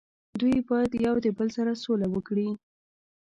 دوي باید یو د بل سره سوله وکړي